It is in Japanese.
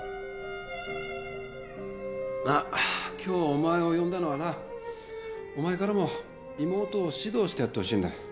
まあ今日お前を呼んだのはなお前からも妹を指導してやってほしいんだ。